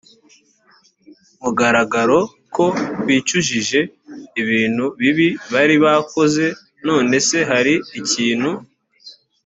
mugaragaro ko bicujije ibintu bibi bari barakoze none se hari ikintu